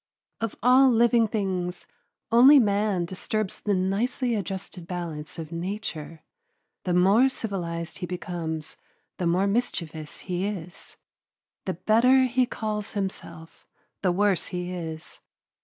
Of all living things, only man disturbs the nicely adjusted balance of nature. The more civilized he becomes the more mischievous he is. The better he calls himself, the worse he is.